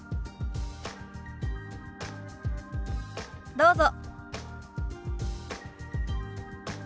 どうぞ。